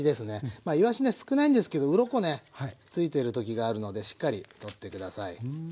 まあいわしね少ないんですけどウロコねついてる時があるのでしっかり取って下さい。